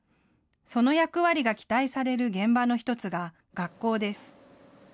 その役割が期待される現場の１つが学校です。